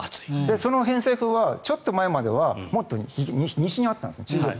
その偏西風は、ちょっと前まではもっと西にあったんです。